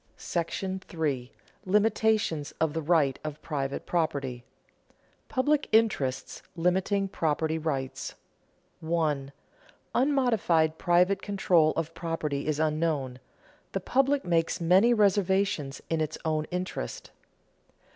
§ III. LIMITATIONS OF THE RIGHT OF PRIVATE PROPERTY [Sidenote: Public interests limiting property rights] 1. _Unmodified private control of property is unknown: the public makes many reservations in its own interest.